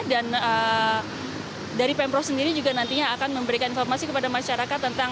dan dari pemprov sendiri juga nantinya akan memberikan informasi kepada masyarakat tentang